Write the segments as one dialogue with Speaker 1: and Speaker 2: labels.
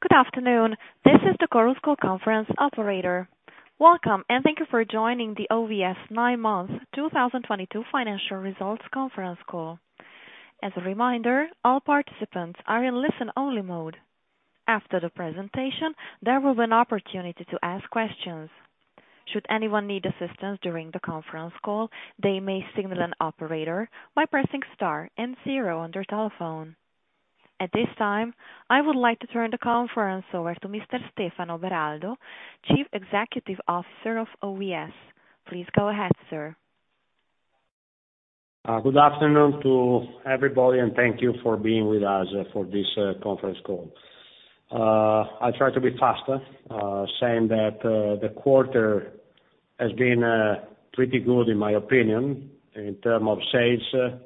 Speaker 1: Good afternoon. This is the Chorus Call Conference Operator. Welcome, and thank you for joining the OVS Nine-Month 2022 Financial Results Conference Call. As a reminder, all participants are in listen-only mode. After the presentation, there will be an opportunity to ask questions. Should anyone need assistance during the conference call, they may signal an operator by pressing star and zero on their telephone. At this time, I would like to turn the conference over to Mr. Stefano Beraldo, Chief Executive Officer of OVS. Please go ahead, sir.
Speaker 2: Good afternoon to everybody, thank you for being with us for this conference call. I'll try to be faster, saying that the quarter has been pretty good in my opinion in terms of sales,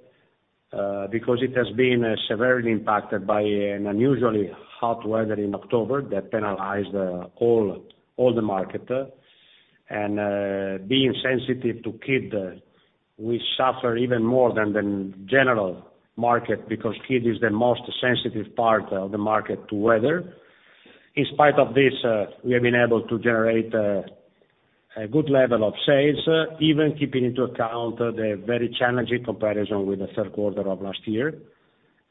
Speaker 2: because it has been severely impacted by an unusually hot weather in October that penalized all the market. Being sensitive to kid, we suffer even more than the general market because kid is the most sensitive part of the market to weather. In spite of this, we have been able to generate a good level of sales, even keeping into account the very challenging comparison with the third quarter of last year.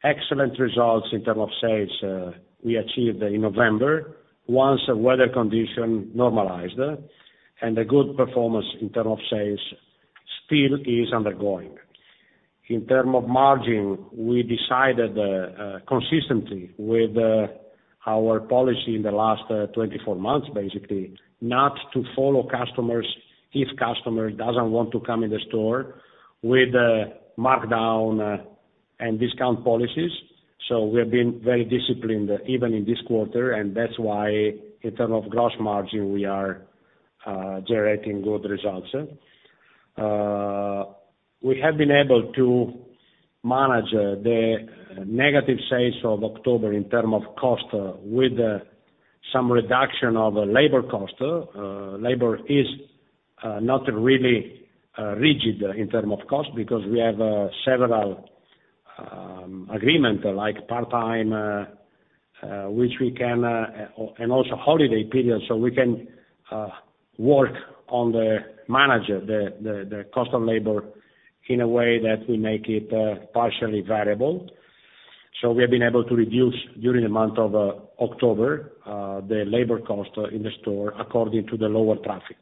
Speaker 2: Excellent results in terms of sales, we achieved in November once the weather condition normalized, a good performance in terms of sales still is undergoing. In term of margin, we decided consistently with our policy in the last 24 months, basically, not to follow customers if customer doesn't want to come in the store with markdown and discount policies. We have been very disciplined even in this quarter, and that's why in term of gross margin we are generating good results. We have been able to manage the negative sales of October in term of cost with some reduction of labor cost. Labor is not really rigid in term of cost because we have several agreement like part-time which we can and also holiday period, we can work on the manager, the, the cost of labor in a way that we make it partially variable. We have been able to reduce during the month of October the labor cost in the store according to the lower traffic.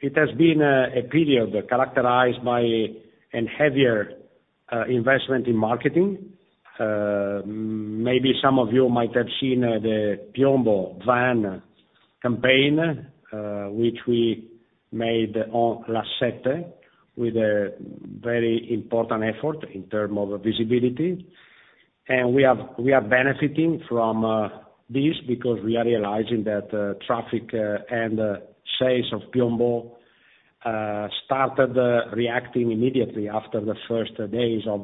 Speaker 2: It has been a period characterized by an heavier investment in marketing. Maybe some of you might have seen the PIOMBO van campaign, which we made on La7 with a very important effort in term of visibility. We are benefiting from this because we are realizing that traffic and sales of PIOMBO started reacting immediately after the first days of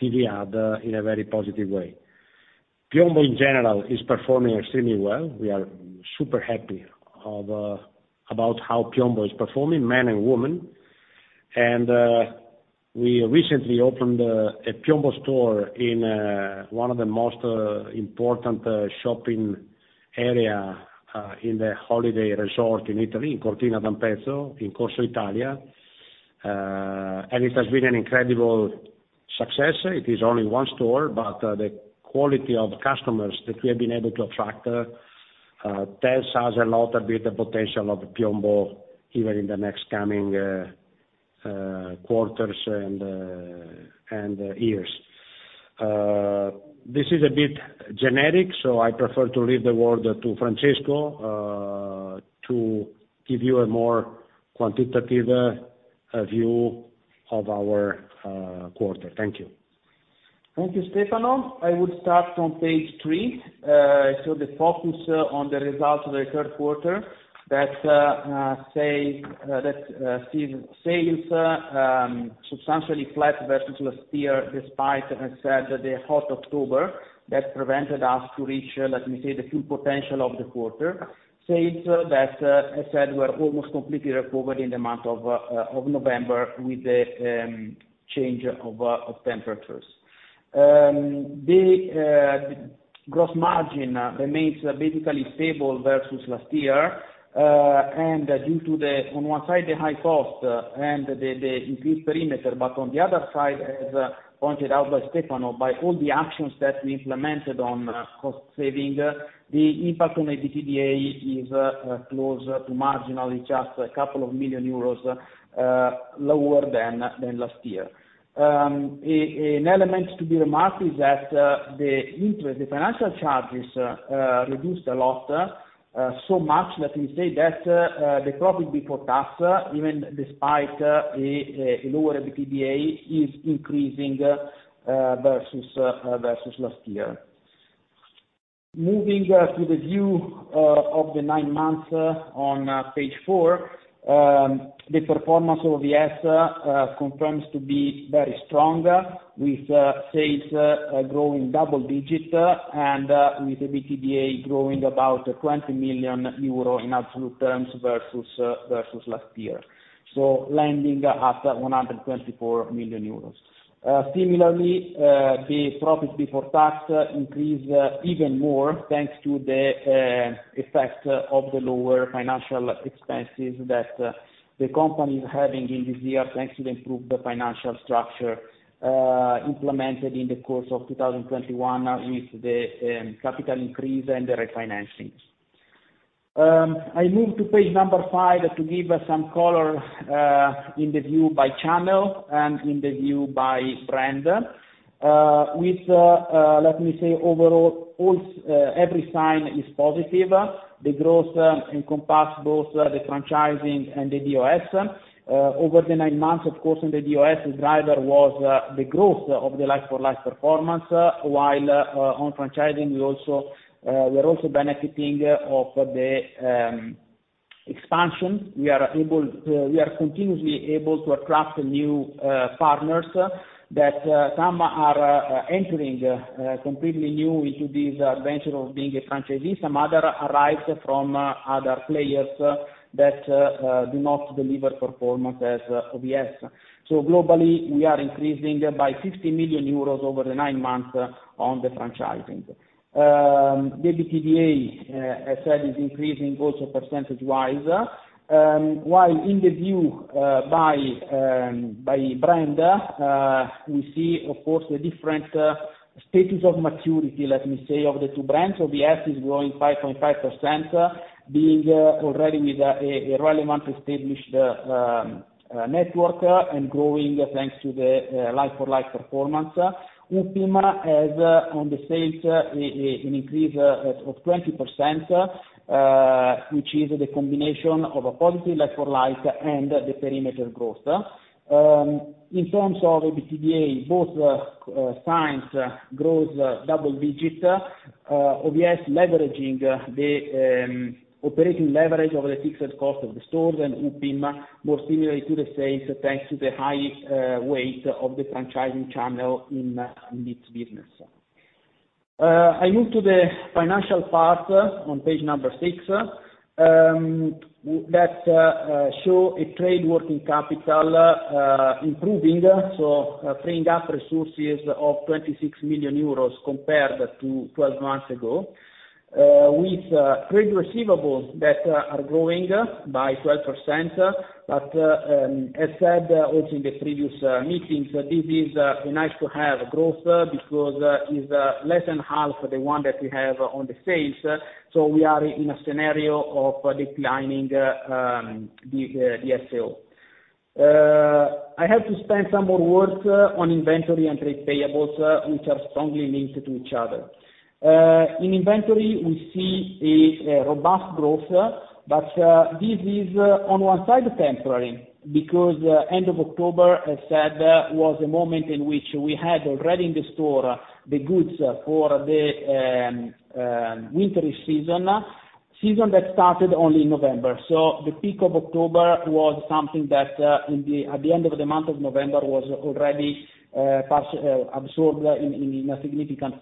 Speaker 2: TV ad in a very positive way. PIOMBO, in general, is performing extremely well. We are super happy of about how PIOMBO is performing, men and women. We recently opened a PIOMBO store in one of the most important shopping area in the holiday resort in Italy, in Cortina d'Ampezzo, in Corso Italia. It has been an incredible success. It is only one store, but the quality of customers that we have been able to attract, tells us a lot with the potential of PIOMBO even in the next coming quarters and years. This is a bit generic, so I prefer to leave the word to Francesco, to give you a more quantitative view of our quarter. Thank you.
Speaker 3: Thank you, Stefano. I would start on page three, the focus on the results of the third quarter that see sales substantially flat versus last year, despite, as said, the hot October that prevented us to reach, let me say, the full potential of the quarter. Sales that, as said, were almost completely recovered in the month of November with the change of temperatures. The gross margin remains basically stable versus last year. Due to the, on one side, the high cost and the increased perimeter, but on the other side, as pointed out by Stefano, by all the actions that we implemented on cost saving, the impact on EBITDA is close to marginal. It's just a couple of million EUR lower than last year. An element to be remarked is that the interest, the financial charges, reduced a lot, so much that we say that the profit before tax, even despite the lower EBITDA, is increasing versus last year. Moving to the view of the nine months on page four, the performance of OVS confirms to be very strong, with sales growing double digits, and with EBITDA growing about 20 million euro in absolute terms versus last year, so landing at 124 million euros. Similarly, the profit before tax increased even more thanks to the effect of the lower financial expenses that the company is having in this year, thanks to the improved financial structure implemented in the course of 2021 with the capital increase and the refinancings. I move to page five to give some color in the view by channel and in the view by brand, with let me say overall also, every sign is positive. The growth encompass both the franchising and the DOS. Over the nine months, of course, in the DOS, the driver was the growth of the like-for-like performance, while on franchising, we are also benefiting of the expansion. We are able to, we are continuously able to attract new partners that some are entering completely new into this venture of being a franchisee. Some other arrived from other players that do not deliver performance as OVS. Globally, we are increasing by 60 million euros over the nine months on the franchising. The EBITDA, as said, is increasing also percentage-wise. While in the view by by brand, we see, of course, the different status of maturity, let me say, of the two brands. OVS is growing 5.5% being already with a relevant established network and growing thanks to the like-for-like performance. Upim has on the sales an increase of 20%, which is the combination of a positive like-for-like and the perimeter growth. In terms of EBITDA, both signs grows double digits. OVS leveraging the operating leverage over the fixed cost of the stores, and Upim more similarly to the sales, thanks to the high weight of the franchising channel in this business. I move to the financial part on page number six, that show a trade working capital improving, so freeing up resources of 26 million euros compared to 12 months ago, with trade receivables that are growing by 12%. As said also in the previous meetings, this is nice to have growth, because it's less than half the one that we have on the sales. We are in a scenario of declining the DSO. I have to spend some more words on inventory and trade payables, which are strongly linked to each other. In inventory, we see a robust growth, but this is on one side temporary because end of October, as said, was a moment in which we had already in the store the goods for the wintery season that started only in November. The peak of October was something that in the... at the end of the month of November was already partial absorbed in a significant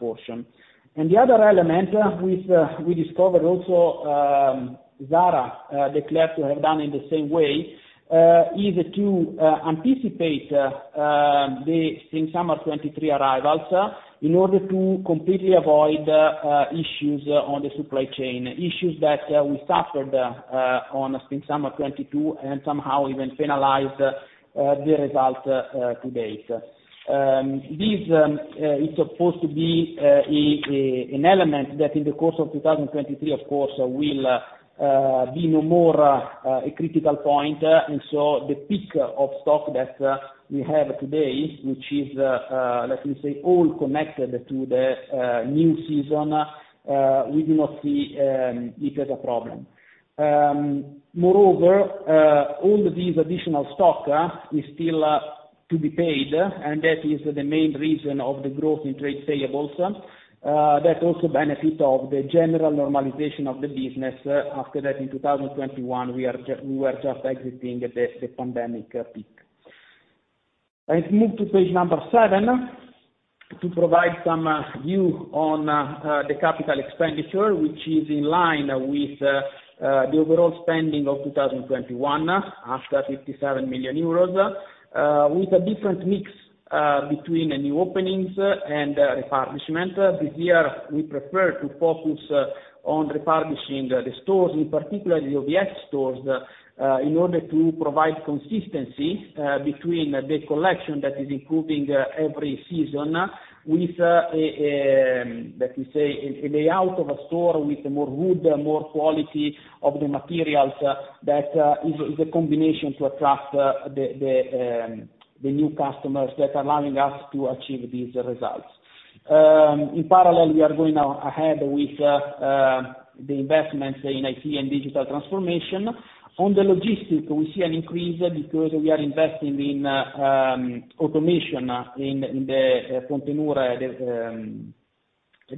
Speaker 3: portion. The other element, which we discovered also, Zara declared to have done in the same way, is to anticipate the Spring/Summer 2023 arrivals in order to completely avoid issues on the supply chain, issues that we suffered on Spring/Summer 2022 and somehow even penalized the results to date. This is supposed to be an element that in the course of 2023, of course, will be no more a critical point. The peak of stock that we have today, which is, let me say, all connected to the new season, we do not see it as a problem. Moreover, all these additional stock is still to be paid, and that is the main reason of the growth in trade payables that also benefit of the general normalization of the business after that in 2021, we were just exiting the pandemic peak. Let's move to page number seven to provide some view on the capital expenditure, which is in line with the overall spending of 2021, after 57 million euros with a different mix between the new openings and refurbishment. This year, we prefer to focus on refurbishing the stores, in particular the OVS stores, in order to provide consistency between the collection that is improving every season, with let me say a layout of a store with more wood, more quality of the materials, that is a combination to attract the new customers that are allowing us to achieve these results. In parallel, we are going on ahead with the investments in IT and digital transformation. On the logistic, we see an increase because we are investing in automation now in the Pontenure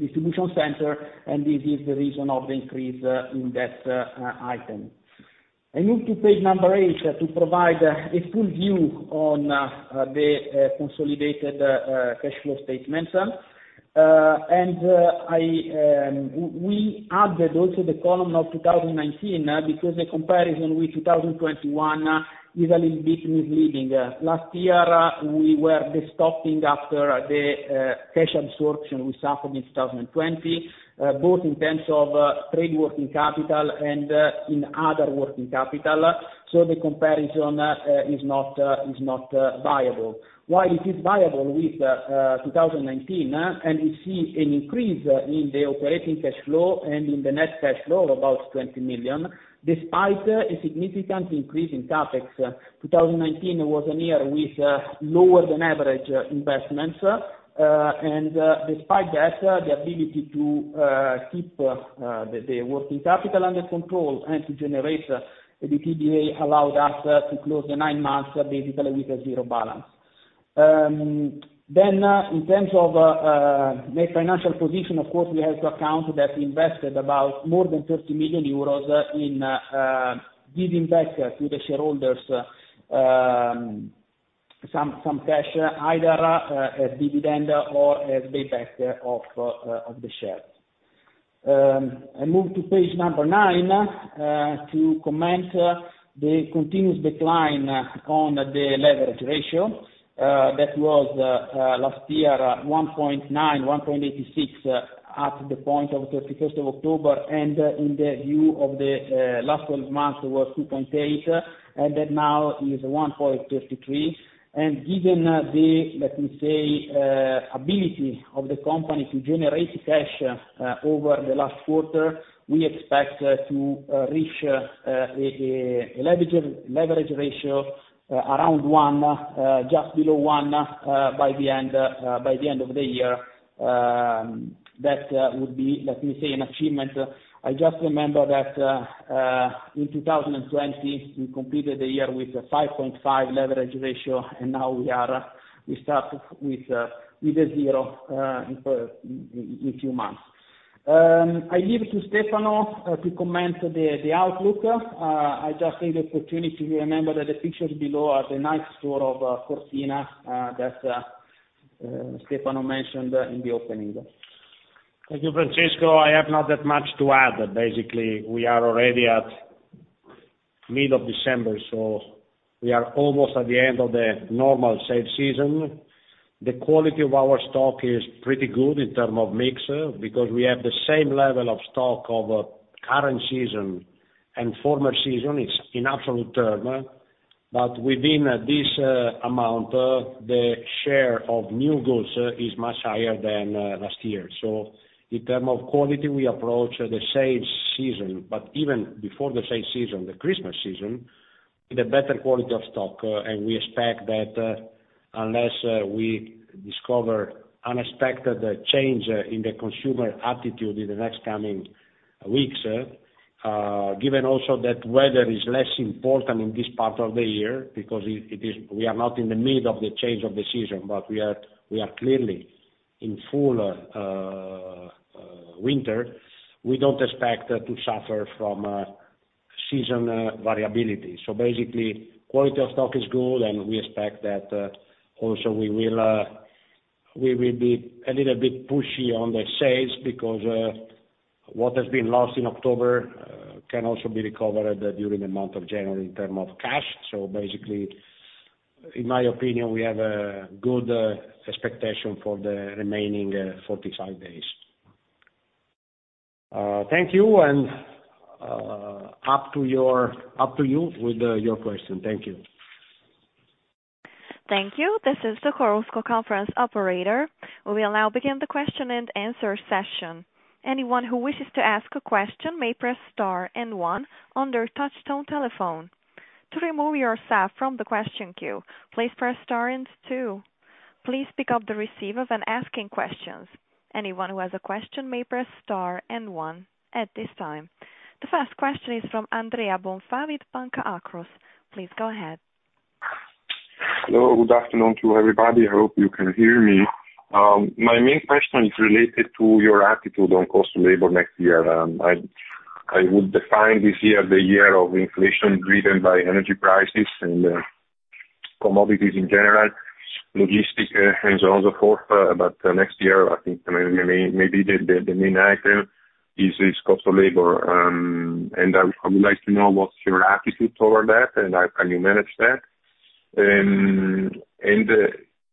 Speaker 3: distribution center. This is the reason of the increase in that item. I move to page number eight to provide a full view on the consolidated cash flow statements. We added also the column of 2019 because the comparison with 2021 is a little bit misleading. Last year, we were destocking after the cash absorption we suffered in 2020, both in terms of trade working capital and in other working capital. The comparison is not viable. While it is viable with 2019, and we see an increase in the operating cash flow and in the net cash flow of about 20 million, despite a significant increase in CapEx. 2019 was a year with lower than average investments. Despite that, the ability to keep the working capital under control and to generate the EBITDA allowed us to close the nine months basically with a zero balance. In terms of net financial position, of course, we have to account that we invested about more than 30 million euros in giving back to the shareholders some cash, either as dividend or as payback of the shares. I move to page number nine to comment the continuous decline on the leverage ratio that was last year 1.9, 1.86 at the point of 31st of October, and in the view of the last 12 months was 2.8, and that now is 1.33. Given the, let me say, ability of the company to generate cash over the last quarter, we expect to reach a leverage ratio around 1, just below 1, by the end by the end of the year. That would be, let me say, an achievement. I just remember that in 2020, we completed the year with a 5.5 leverage ratio, now we are, we start with a zero in two months. I leave to Stefano to comment the outlook. I just take the opportunity to remember that the pictures below are the ninth store of Cortina, that Stefano mentioned in the opening.
Speaker 2: Thank you, Francesco. I have not that much to add. We are already at mid of December. We are almost at the end of the normal sales season. The quality of our stock is pretty good in term of mix, because we have the same level of stock of current season and former season. It's in absolute term. Within this, amount, the share of new goods, is much higher than, last year. In term of quality, we approach the sales season, but even before the sales season, the Christmas season, with a better quality of stock. We expect that, unless, we discover unexpected change in the consumer attitude in the next coming weeks, given also that weather is less important in this part of the year because we are not in the middle of the change of the season, but we are clearly in full, winter. We don't expect to suffer from season variability. Basically, quality of stock is good, and we expect that, also, we will be a little bit pushy on the sales because, what has been lost in October, can also be recovered during the month of January in term of cash. Basically, in my opinion, we have a good expectation for the remaining 45 days. Thank you, and up to your... Up to you with your question. Thank you.
Speaker 1: Thank you. This is the Chorus Call Conference Operator. We will now begin the question-and-answer session. Anyone who wishes to ask a question may press star and one on their touch tone telephone. To remove yourself from the question queue, please press star and two. Please pick up the receiver when asking questions. Anyone who has a question may press star and one at this time. The first question is from Andrea Bonfà with Banca Akros. Please go ahead.
Speaker 4: Hello. Good afternoon to everybody. I hope you can hear me. My main question is related to your attitude on cost of labor next year. I would define this year the year of inflation driven by energy prices and commodities in general, logistics and so on so forth. Next year, I think maybe the main item is cost of labor. I would like to know what's your attitude toward that, and how can you manage that. In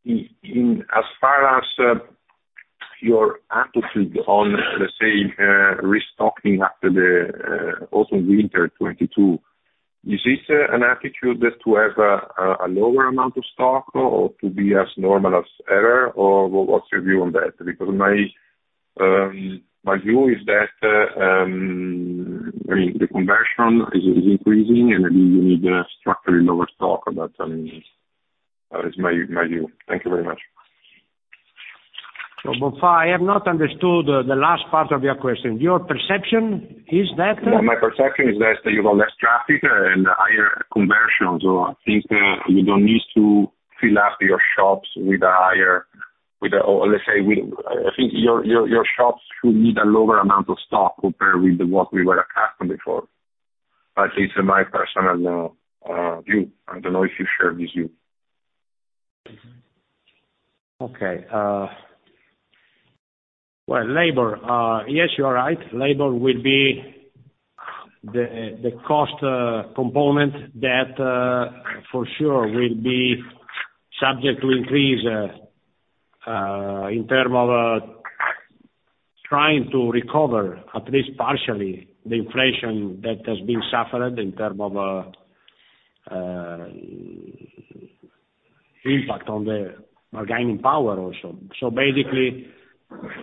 Speaker 4: as far as your attitude on, let's say, restocking after the Autumn/Winter 2022, is this an attitude that to have a lower amount of stock or to be as normal as ever or what's your view on that? My, my view is that, I mean, the conversion is increasing and maybe you need a structurally lower stock, but, I mean, it's my view. Thank you very much.
Speaker 2: Bonfà, I have not understood the last part of your question. Your perception is that?
Speaker 4: Well, my perception is that you got less traffic and higher conversions, or I think that you don't need to fill up your shops. Or let's say with, I think your shops should need a lower amount of stock compared with what we were accustomed before. At least in my personal view. I don't know if you share this view.
Speaker 2: Okay. Well, labor, yes, you are right. Labor will be the cost component that for sure will be subject to increase in term of trying to recover at least partially the inflation that has been suffered in term of impact on the bargaining power also. Basically,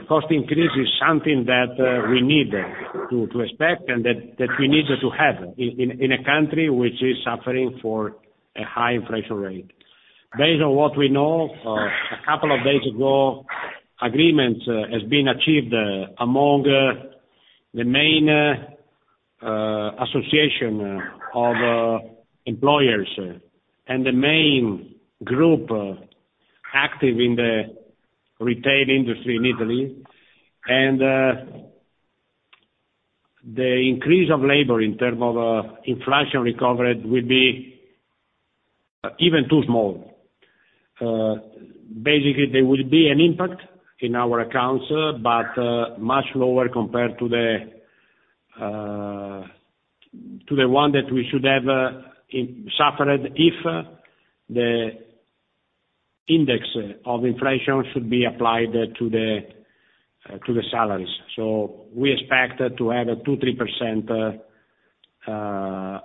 Speaker 2: cost increase is something that we need to expect and that we need to have in a country which is suffering for a high inflation rate. Based on what we know, a couple of days ago, agreement has been achieved among the main association of employers and the main group active in the retail industry in Italy. The increase of labor in term of inflation recovery will be even too small. Basically, there will be an impact in our accounts, but much lower compare to the one that we should have suffered if the index of inflation should be applied to the salaries. So we expect to have a 2%-3%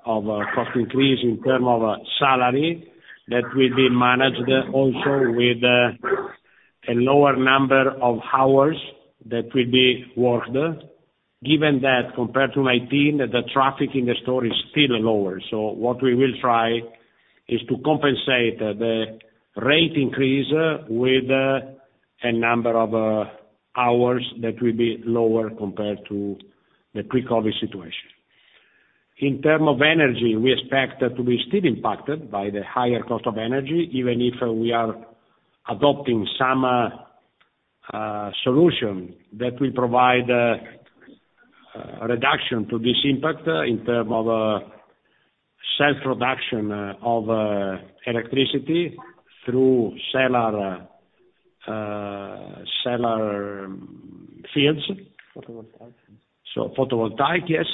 Speaker 2: of cost increase in terms of salary that will be managed also with a lower number of hours that will be worked, given that compared to 2019, the traffic in the store is still lower. So what we will try is to compensate the rate increase with a number of hours that will be lower compared to the pre-COVID situation. In terms of energy, we expect to be still impacted by the higher cost of energy, even if we are adopting some solution that will provide a reduction to this impact in terms of self-production of electricity through solar fields.
Speaker 3: Photovoltaics.
Speaker 2: Photovoltaic, yes.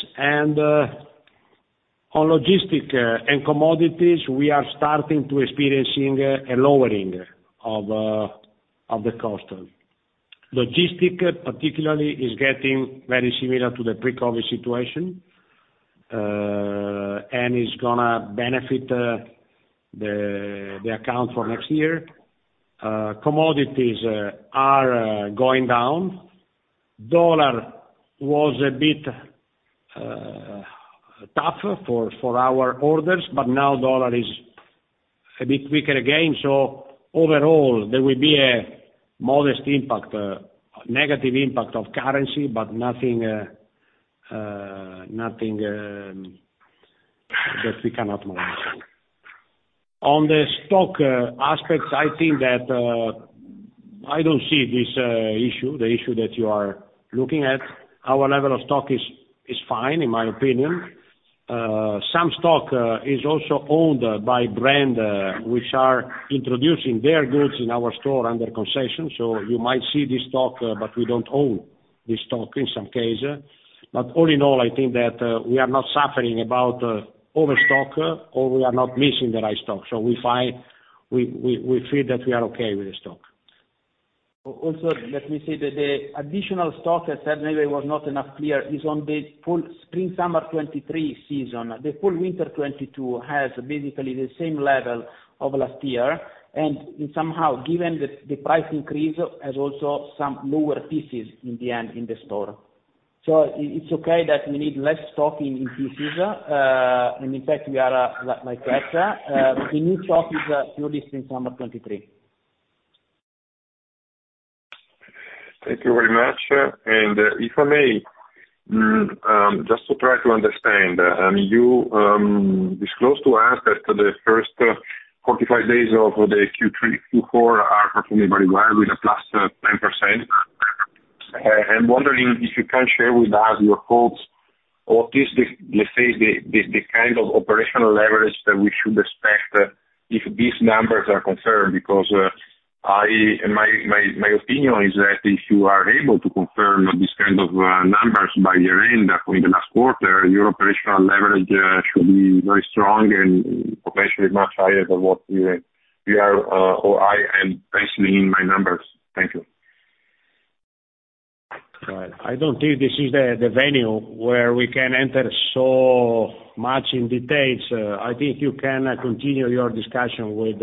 Speaker 2: On logistic, and commodities, we are starting to experiencing a lowering of the cost. Logistic particularly is getting very similar to the pre-COVID situation, and it's gonna benefit the account for next year. Commodities are going down. Dollar was a bit tough for our orders, but now dollar is a bit weaker again. Overall, there will be a modest impact, negative impact of currency, but nothing that we cannot manage. On the stock aspects, I think that I don't see this issue, the issue that you are looking at. Our level of stock is fine, in my opinion. Some stock is also owned by brand, which are introducing their goods in our store under concession. You might see this stock, but we don't own this stock in some case. All in all, I think that we are not suffering about overstock, or we are not missing the right stock. We feel that we are okay with the stock.
Speaker 3: Let me say that the additional stock, if maybe was not enough clear, is on the full Spring/Summer 2023 season. The full winter 2022 has basically the same level of last year. Somehow, given the price increase has also some lower pieces in the end in the store. It's okay that we need less stock in pieces. In fact, we are like that. The new stock is pure Spring/Summer 2023.
Speaker 4: Thank you very much. If I may, just to try to understand, you disclosed to us that the first 45 days of the Q3, Q4 are performing very well with a +10%. I'm wondering if you can share with us your thoughts or at least, let's say, the kind of operational leverage that we should expect, if these numbers are confirmed. My opinion is that if you are able to confirm these kind of numbers by year-end, in the last quarter, your operational leverage should be very strong and potentially much higher than what you are or I am pricing in my numbers. Thank you.
Speaker 2: I don't think this is the venue where we can enter so much in details. I think you can continue your discussion with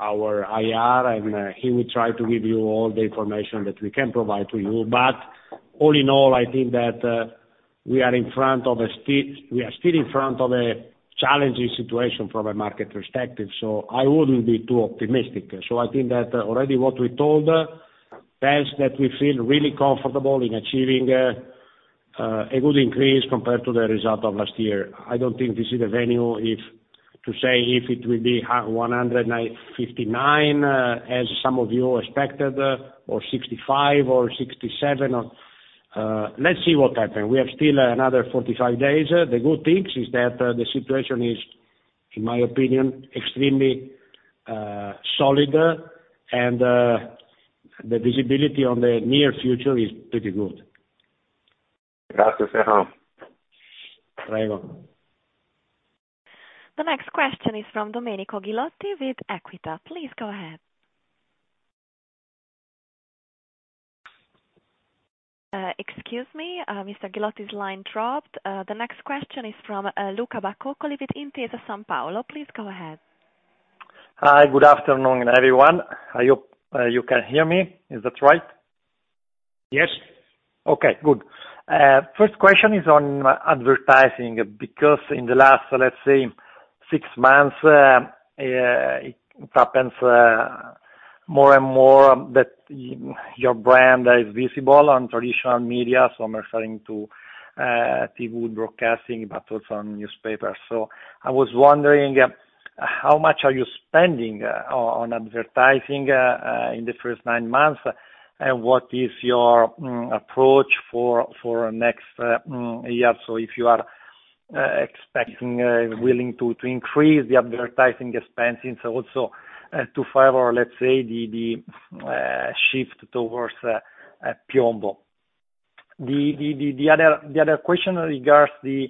Speaker 2: our IR, and he will try to give you all the information that we can provide to you. All in all, I think that we are still in front of a challenging situation from a market perspective, so I wouldn't be too optimistic. I think that already what we told tells that we feel really comfortable in achieving a good increase compared to the result of last year. I don't think this is a venue if, to say if it will be 159, as some of you expected, or 65 or 67 or, let's see what happens. We have still another 45 days. The good things is that, the situation is, in my opinion, extremely, solid, and, the visibility on the near future is pretty good.
Speaker 1: The next question is from Domenico Ghilotti with Equita. Please go ahead. excuse me, Mr. Ghilotti's line dropped. The next question is from Luca Bacoccoli with Intesa Sanpaolo. Please go ahead.
Speaker 5: Hi, good afternoon, everyone. I hope, you can hear me. Is that right?
Speaker 2: Yes.
Speaker 5: Okay, good. First question is on advertising, because in the last, let's say, six months, it happens more and more that your brand is visible on traditional media, I'm referring to TV broadcasting, but also on newspapers. I was wondering how much are you spending on advertising in the first nine months? What is your approach for next year? If you are expecting willing to increase the advertising expenses also to favor, let's say, the shift towards PIOMBO. The other question regards the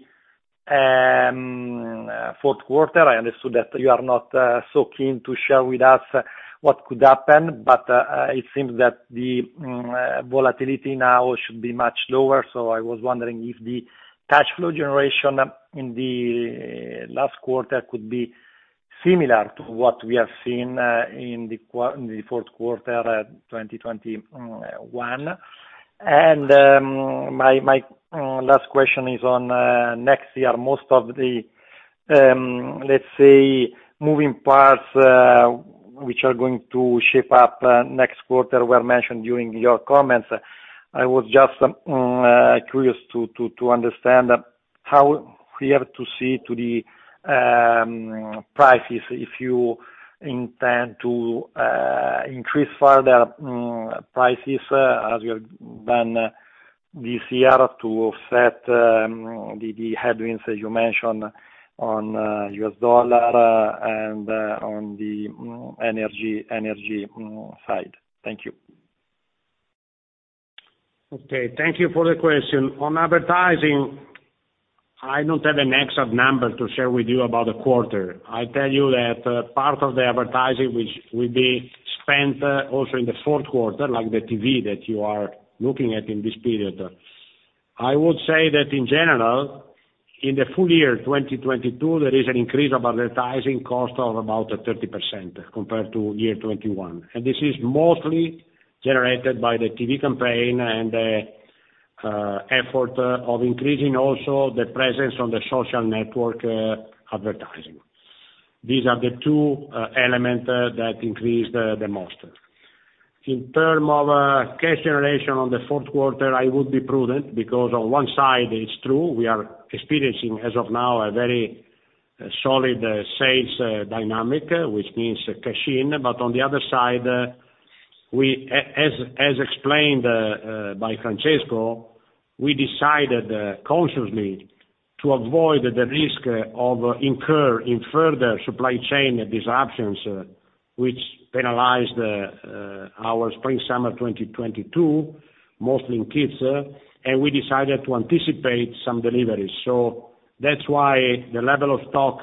Speaker 5: fourth quarter. I understood that you are not so keen to share with us what could happen, it seems that the volatility now should be much lower. I was wondering if the cash flow generation in the last quarter could be similar to what we have seen in the fourth quarter 2021. My last question is on next year. Most of the, let's say, moving parts, which are going to shape up next quarter were mentioned during your comments. I was just curious to understand how we have to see to the prices, if you intend to increase further prices, as you have done this year to offset the headwinds that you mentioned on US dollar and on the energy side. Thank you.
Speaker 2: Okay, thank you for the question. On advertising, I don't have an exact number to share with you about the quarter. I tell you that part of the advertising which will be spent also in the fourth quarter, like the TV that you are looking at in this period. I would say that in general, in the full year 2022, there is an increase of advertising cost of about 30% compared to year 2021. This is mostly generated by the TV campaign and effort of increasing also the presence on the social network advertising. These are the two element that increased the most. In term of cash generation on the fourth quarter, I would be prudent because on one side, it's true, we are experiencing, as of now, a very solid sales dynamic, which means cash-in. On the other side, we as explained by Francesco, we decided consciously to avoid the risk of in further supply chain disruptions, which penalized our Spring/Summer 2022, mostly in kids, and we decided to anticipate some deliveries. That's why the level of stock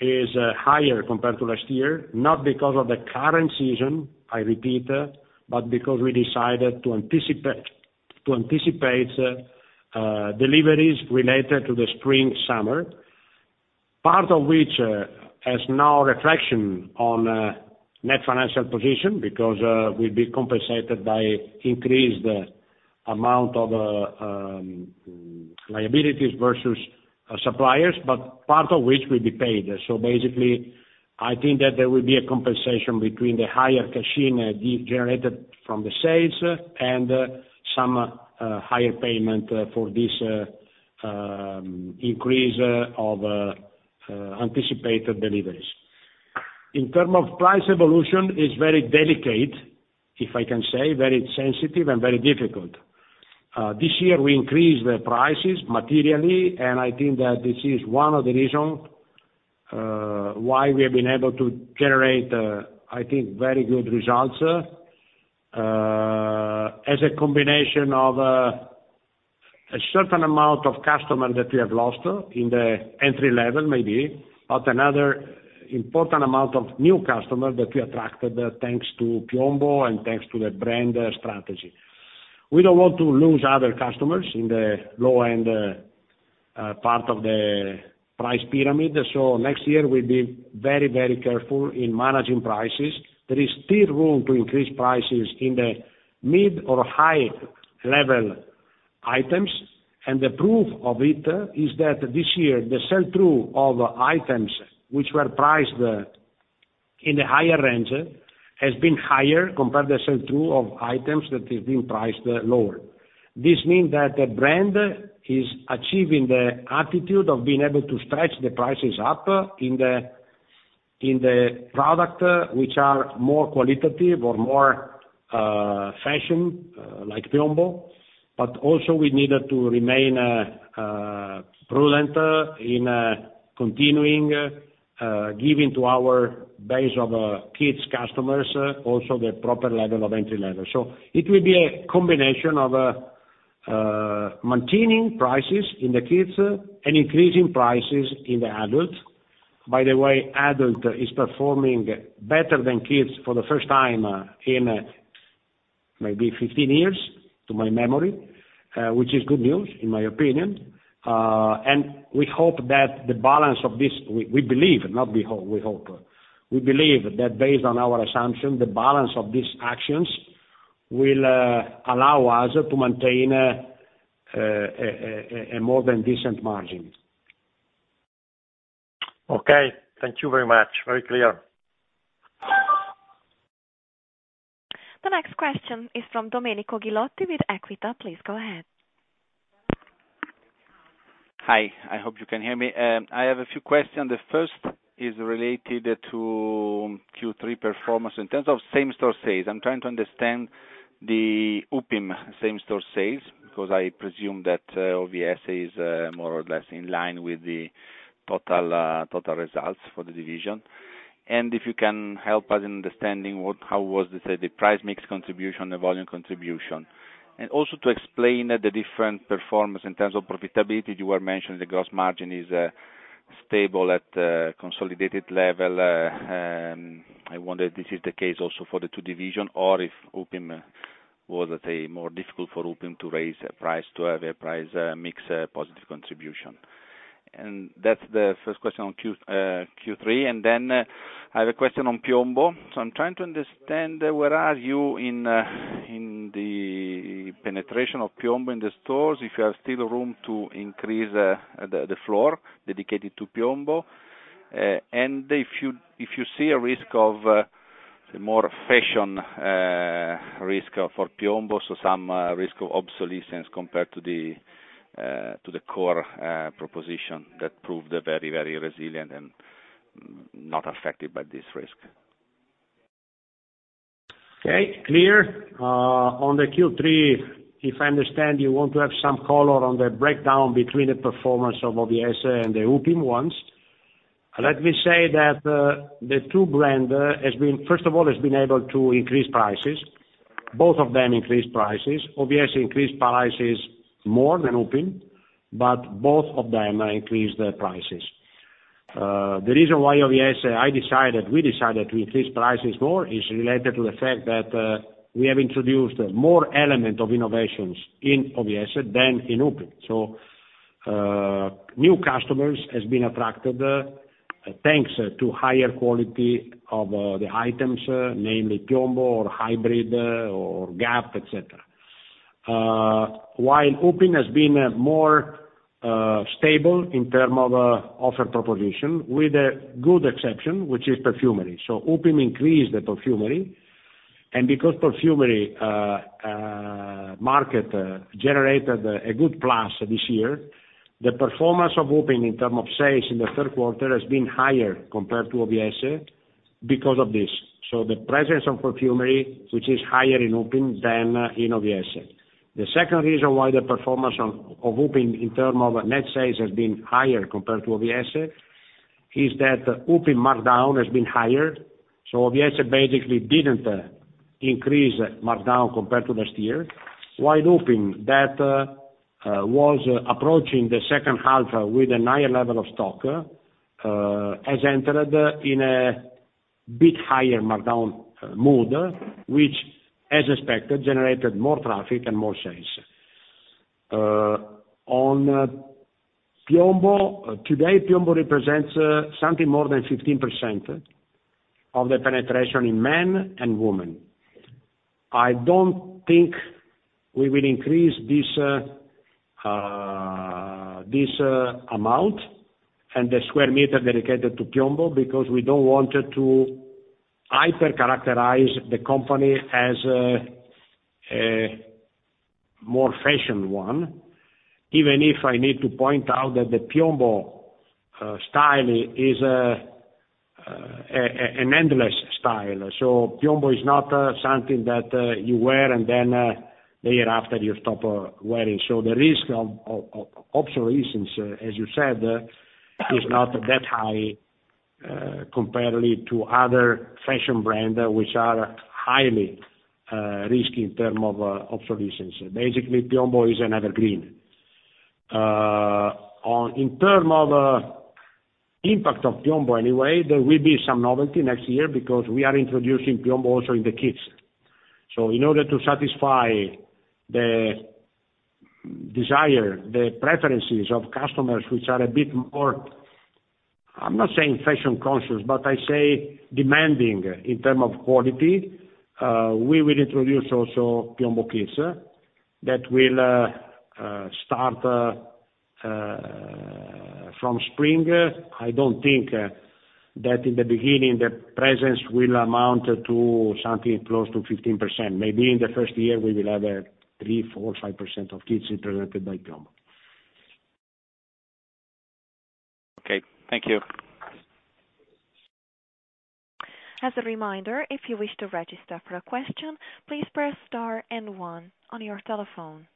Speaker 2: is higher compared to last year, not because of the current season, I repeat, but because we decided to anticipate deliveries related to the Spring/Summer, part of which has now retraction on net financial position because we've been compensated by increased amount of liabilities versus suppliers, but part of which will be paid. Basically, I think that there will be a compensation between the higher cash-in generated from the sales and some higher payment for this increase of anticipated deliveries. In terms of price evolution, it's very delicate, if I can say, very sensitive and very difficult. This year we increased the prices materially, and I think that this is one of the reason why we have been able to generate, I think, very good results, as a combination of a certain amount of customer that we have lost in the entry level, maybe, but another important amount of new customer that we attracted, thanks to PIOMBO and thanks to the brand strategy. We don't want to lose other customers in the low-end part of the price pyramid. Next year we'll be very careful in managing prices. There is still room to increase prices in the mid or high level items. The proof of it is that this year, the sell through of items which were priced in the higher range has been higher compared the sell through of items that have been priced lower. This means that the brand is achieving the attitude of being able to stretch the prices up in the, in the product which are more qualitative or more fashion like PIOMBO. Also we needed to remain prudent in continuing giving to our base of kids customers also the proper level of entry level. It will be a combination of maintaining prices in the kids and increasing prices in the adult. By the way, adult is performing better than kids for the first time in maybe 15 years, to my memory, which is good news in my opinion. We believe that based on our assumption, the balance of these actions will allow us to maintain a more than decent margin.
Speaker 5: Okay. Thank you very much. Very clear.
Speaker 1: The next question is from Domenico Ghilotti with Equita. Please go ahead.
Speaker 6: Hi. I hope you can hear me. I have a few questions. The first is related to Q3 performance. In terms of same-store sales, I'm trying to understand the Upim same-store sales, because I presume that OVS is more or less in line with the total total results for the division. If you can help us in understanding what, how was the price mix contribution, the volume contribution. Also to explain the different performance in terms of profitability. You were mentioning the gross margin is stable at consolidated level. I wonder if this is the case also for the two division or if Upim was more difficult for Upim to raise price, to have a price mix positive contribution. That's the first question on Q3. I have a question on PIOMBO. I'm trying to understand where are you in the penetration of PIOMBO in the stores, if you have still room to increase the floor dedicated to PIOMBO. If you see a risk of more fashion risk for PIOMBO, so some risk of obsolescence compared to the core proposition that proved very resilient and not affected by this risk.
Speaker 2: Okay, clear. On the Q3, if I understand, you want to have some color on the breakdown between the performance of OVS and the Upim ones. Let me say that the two brand has been, first of all, has been able to increase prices. Both of them increased prices. OVS increased prices more than Upim, but both of them increased their prices. The reason why OVS, I decided, we decided to increase prices more is related to the fact that we have introduced more element of innovations in OVS than in Upim. New customers has been attracted thanks to higher quality of the items, namely PIOMBO or Hybrid or Gap, et cetera. Upim has been more stable in term of offer proposition with a good exception, which is perfumery. Upim increased the perfumery and because perfumery market generated a good plus this year, the performance of Upim in term of sales in the third quarter has been higher compared to OVS because of this. The presence of perfumery, which is higher in Upim than in OVS. The second reason why the performance of Upim in term of net sales has been higher compared to OVS is that Upim markdown has been higher. OVS basically didn't increase markdown compared to last year, while Upim that was approaching the second half with a higher level of stock has entered in a bit higher markdown mood, which as expected, generated more traffic and more sales. On PIOMBO, today, PIOMBO represents something more than 15% of the penetration in men and women. I don't think we will increase this amount and the square meter dedicated to PIOMBO because we don't want it to hyper characterize the company as a more fashion one. Even if I need to point out that the PIOMBO style is an endless style. PIOMBO is not something that you wear and then later after you stop wearing. The risk of obsolescence, as you said, is not that high comparatively to other fashion brand which are highly risky in term of obsolescence. Basically, PIOMBO is an evergreen. On, in term of impact of PIOMBO anyway, there will be some novelty next year because we are introducing PIOMBO also in the kids. In order to satisfy the desire, the preferences of customers, which are a bit more, I'm not saying fashion conscious, but I say demanding in term of quality, we will introduce also PIOMBO Kids. That will start from spring. I don't think that in the beginning, the presence will amount to something close to 15%. Maybe in the first year, we will have a 3%, 4%, 5% of kids represented by PIOMBO.
Speaker 6: Okay. Thank you.
Speaker 1: As a reminder, if you wish to register for a question, please press star and one on your telephone.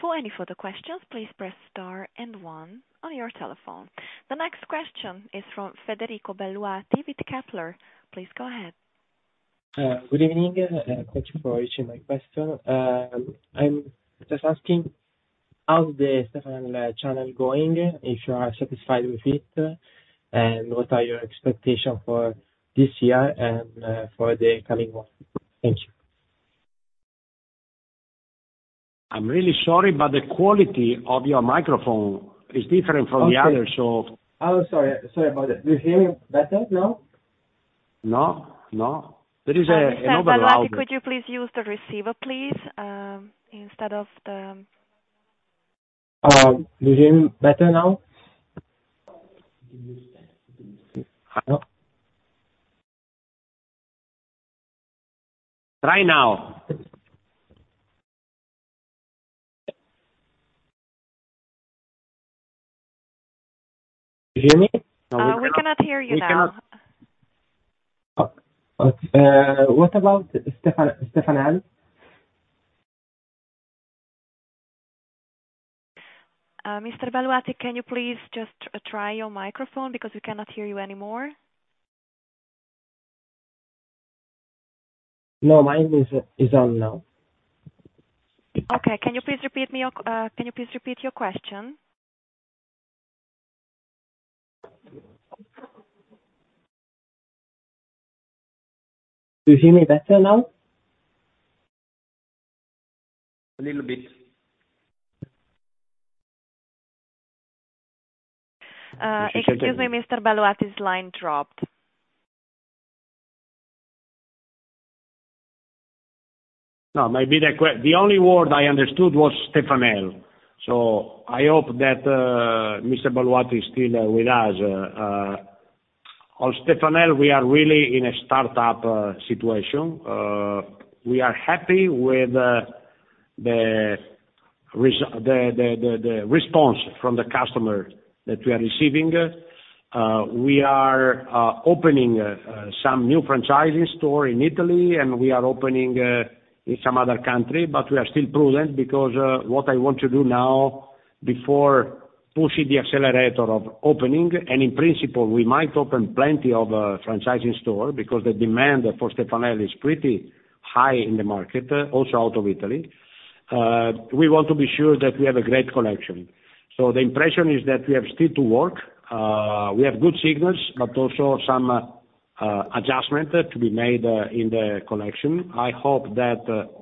Speaker 1: For any further questions, please press star and one on your telephone. The next question is from Federico Belluati with Kepler Cheuvreux. Please go ahead.
Speaker 7: Good evening. Thank you for reaching my question. I'm just asking, how's the Stefanel channel going, if you are satisfied with it? What are your expectation for this year and for the coming months? Thank you.
Speaker 2: I'm really sorry, but the quality of your microphone is different from the others, so-
Speaker 7: Oh, sorry. Sorry about that. Do you hear me better now?
Speaker 2: No, no. There is a.
Speaker 1: Mr. Belluati could you please use the receiver, please, instead of the...
Speaker 7: Do you hear me better now?
Speaker 2: No. Try now.
Speaker 7: You hear me?
Speaker 2: No, we cannot.
Speaker 1: We cannot hear you now.
Speaker 7: What about Stefanel?
Speaker 1: Mr. Belluati, can you please just try your microphone because we cannot hear you anymore.
Speaker 7: No, mine is on now.
Speaker 1: Okay. Can you please repeat your question?
Speaker 7: Do you hear me better now?
Speaker 2: A little bit.
Speaker 1: Excuse me, Mr. Belluati's line dropped.
Speaker 2: No. Maybe the only word I understood was Stefanel. I hope that Mr. Belluati is still with us. On Stefanel, we are really in a startup situation. We are happy with the response from the customer that we are receiving. We are opening some new franchising store in Italy, and we are opening in some other country. We are still prudent because what I want to do now before pushing the accelerator of opening, and in principle we might open plenty of franchising store because the demand for Stefanel is pretty high in the market also out of Italy. We want to be sure that we have a great collection. The impression is that we have still to work. We have good signals, but also some adjustment to be made in the collection. I hope that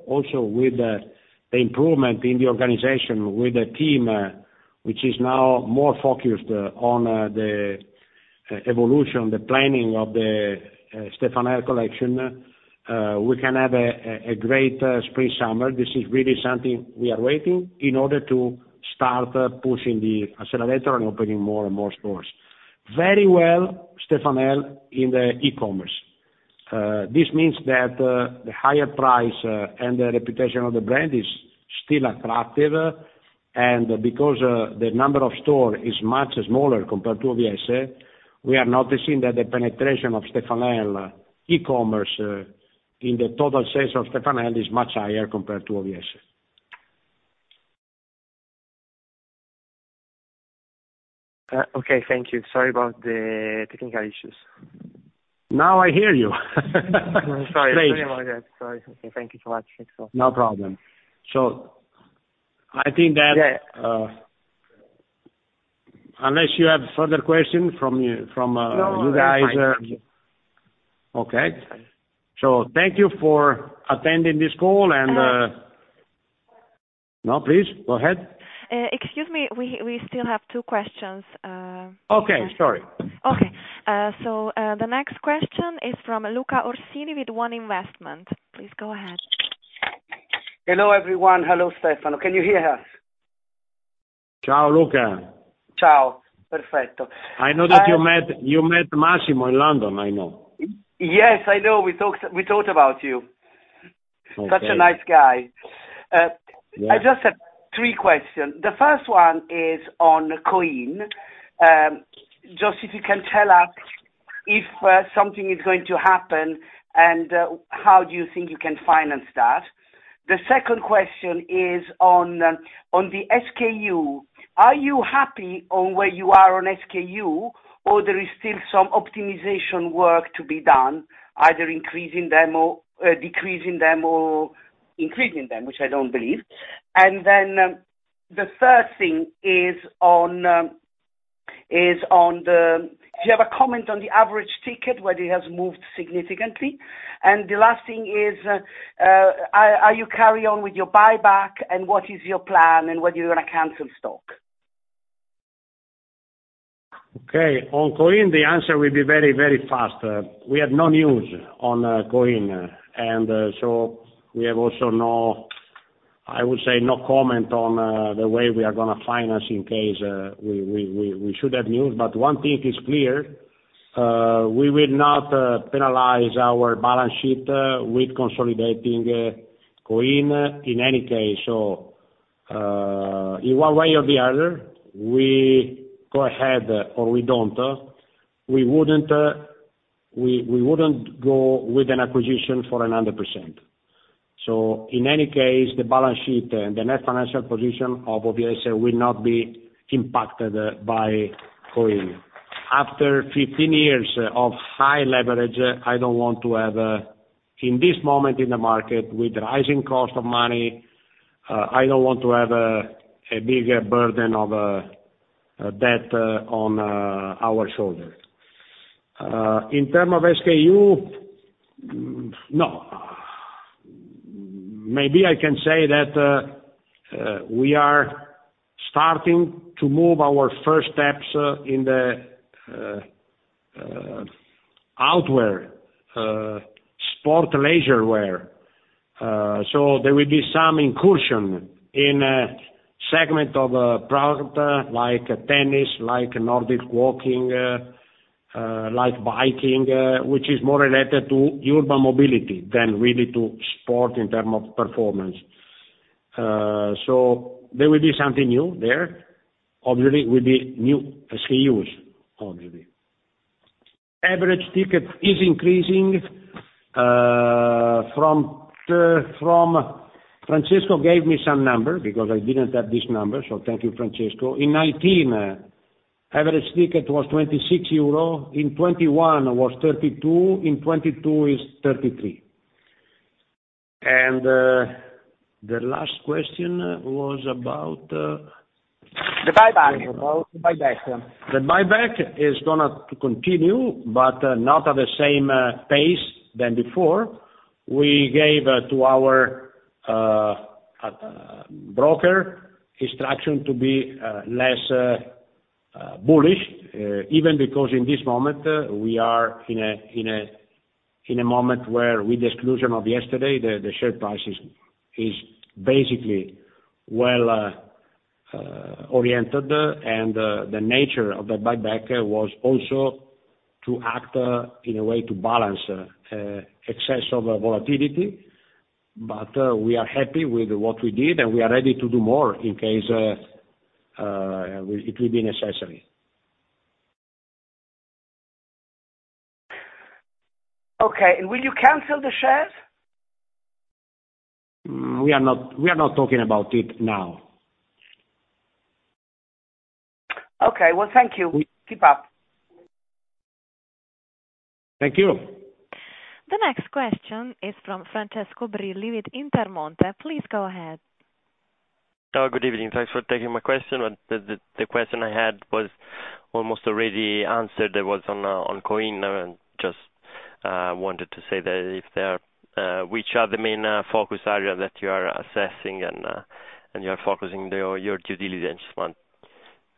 Speaker 2: also with the improvement in the organization with the team, which is now more focused on the evolution, the planning of the Stefanel collection, we can have a great Spring/Summer. This is really something we are waiting in order to start pushing the accelerator and opening more and more stores. Very well, Stefanel in the e-commerce. This means that the higher price and the reputation of the brand is still attractive. Because the number of store is much smaller compared to OVS, we are noticing that the penetration of Stefanel e-commerce in the total sales of Stefanel is much higher compared to OVS.
Speaker 7: Okay, thank you. Sorry about the technical issues.
Speaker 2: Now I hear you.
Speaker 7: I'm sorry. Sorry about that. Sorry. Thank you so much. Thanks a lot.
Speaker 2: No problem. I think that-
Speaker 7: Yeah.
Speaker 2: Unless you have further questions from you, from, you guys.
Speaker 7: No, I'm fine.
Speaker 2: Okay. Thank you for attending this call and. No, please go ahead.
Speaker 1: Excuse me. We still have two questions.
Speaker 2: Okay. Sorry.
Speaker 1: The next question is from Luca Orsini with One Investments. Please go ahead.
Speaker 8: Hello, everyone. Hello, Stefano. Can you hear us?
Speaker 2: Ciao, Luca.
Speaker 8: Ciao. Perfetto.
Speaker 2: I know that you met Massimo in London, I know.
Speaker 8: Yes, I know. We talked about you.
Speaker 2: Okay.
Speaker 8: Such a nice guy. I just have three questions. The first one is on Coin. Just if you can tell us if something is going to happen, and how do you think you can finance that? The second question is on the SKU. Are you happy on where you are on SKU or there is still some optimization work to be done, either increasing them or decreasing them or increasing them, which I don't believe. The third thing is, do you have a comment on the average ticket, whether it has moved significantly? The last thing is, are you carry on with your buyback, and what is your plan, and whether you're gonna cancel stock?
Speaker 2: Okay. On Coin, the answer will be very, very fast. We have no news on Coin. So we have also no comment on the way we are gonna finance in case we should have news. One thing is clear, we will not penalize our balance sheet with consolidating Coin in any case. In one way or the other, we go ahead or we don't. We wouldn't go with an acquisition for another %. In any case, the balance sheet and the net financial position of OVS will not be impacted by Coin. After 15 years of high leverage, I don't want to have, in this moment in the market with rising cost of money, I don't want to have a bigger burden of debt on our shoulder. In term of SKU, no. Maybe I can say that we are starting to move our first steps in the outerwear, sport leisure wear. There will be some incursion in segment of product, like tennis, like Nordic walking, like biking, which is more related to urban mobility than really to sport in term of performance. There will be something new there. Obviously, it will be new SKUs, obviously. Average ticket is increasing, Francesco gave me some number because I didn't have this number, so thank you, Francesco. In 2019, average ticket was 26 euro, in 2021 it was 32, in 2022 is 33. The last question was about.
Speaker 8: The buyback. About the buyback.
Speaker 2: The buyback is gonna continue, but not at the same pace than before. We gave to our broker instruction to be less bullish, even because in this moment, we are in a moment where with the exclusion of yesterday, the share price is basically well oriented. The nature of the buyback was also to act in a way to balance excess of volatility. We are happy with what we did, and we are ready to do more in case it will be necessary.
Speaker 8: Okay. Will you cancel the shares?
Speaker 2: We are not talking about it now.
Speaker 8: Okay. Well, thank you.
Speaker 2: We-
Speaker 8: Keep up.
Speaker 2: Thank you.
Speaker 1: The next question is from Francesco Brilli with Intermonte. Please go ahead.
Speaker 9: Oh, good evening. Thanks for taking my question. The question I had was almost already answered. It was on Coin. I just wanted to say that if there which are the main focus area that you are assessing and you are focusing there or your due diligence,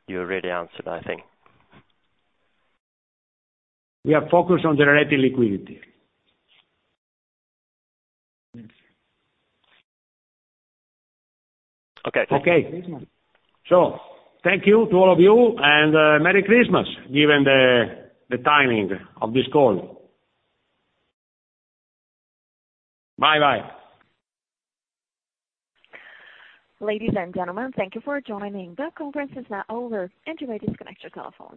Speaker 9: you already answered, I think.
Speaker 2: We are focused on generating liquidity.
Speaker 9: Okay. Thank you.
Speaker 2: Okay. Thank you to all of you and Merry Christmas, given the timing of this call. Bye-bye.
Speaker 1: Ladies, and gentlemen, thank you for joining. The conference is now over and you may disconnect your telephone.